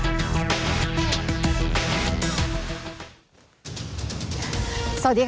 สวัสดีคันผู้ชมครับ